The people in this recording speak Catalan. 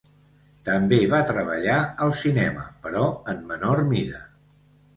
També va treballar al cinema, però en menor mida.